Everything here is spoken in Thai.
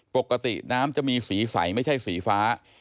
ปกติน้ำจะมีสีใสไม่ใช่สีฟ้า